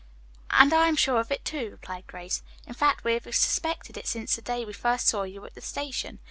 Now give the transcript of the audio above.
"And I am sure of it, too," replied Grace. "In fact, we have suspected it since the day we first saw you at the station.